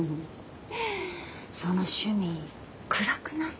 その趣味暗くない？